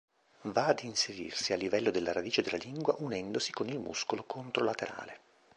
Va ad inserirsi a livello della radice della lingua unendosi con il muscolo controlaterale.